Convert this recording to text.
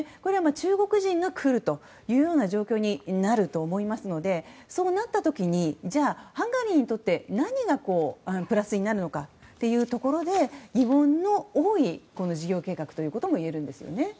中国人が来るという状況になると思いますのでそうなった時ハンガリーにとって何がプラスなのかというところで疑問の多い事業計画ともいえるんです。